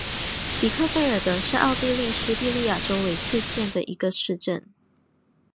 比克费尔德是奥地利施蒂利亚州魏茨县的一个市镇。